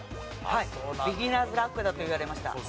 ビギナーズラックだと言われました。